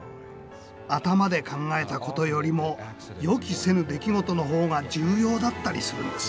頭で考えたことよりも予期せぬ出来事の方が重要だったりするんです。